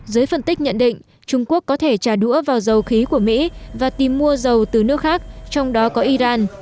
giới phân tích nhận định trung quốc có thể trả đũa vào dầu khí của mỹ và tìm mua dầu từ nước khác trong đó có iran